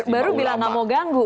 baru bilang nggak mau ganggu